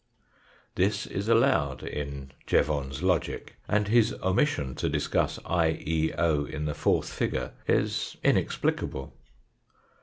This is allowed in " Jevon's Logic," and his omission to discuss I, E, o, in the fourth figure, is inexplicable.